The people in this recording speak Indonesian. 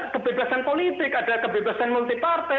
kebebasan politik adalah kebebasan multi partai